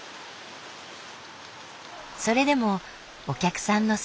それでもお客さんの姿。